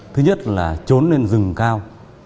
thứ nhất là trốn lên rừng cao